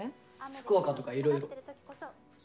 福岡とかいろいろ。